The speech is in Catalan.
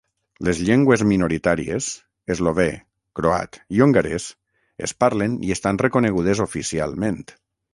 Les llengües minoritàries eslovè, croat i hongarès es parlen i estan reconegudes oficialment.